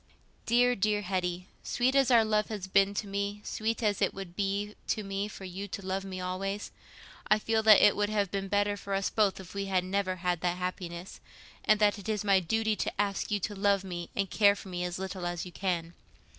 "Dear, dear Hetty, sweet as our love has been to me, sweet as it would be to me for you to love me always, I feel that it would have been better for us both if we had never had that happiness, and that it is my duty to ask you to love me and care for me as little as you can.